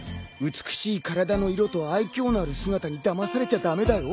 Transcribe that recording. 美しい体の色と愛嬌のある姿にだまされちゃ駄目だよ。